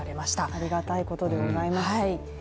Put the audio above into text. ありがたいことでございます。